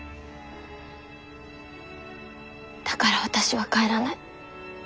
だから私は帰らない。